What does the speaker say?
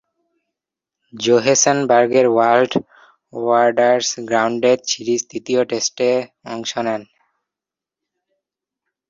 জোহেন্সবার্গের Old Wanderers গ্রাউন্ডে সিরিজের তৃতীয় টেস্টে তিনি অংশ নেন।